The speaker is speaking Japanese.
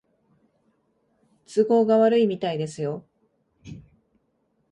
都合が悪いみたいですよ